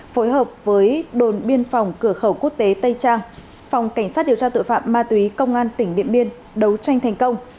phối hợp với đồn biên phòng cửa khẩu quốc tế tây trang phòng cảnh sát điều tra tội phạm ma túy công an tỉnh điện biên đấu tranh thành công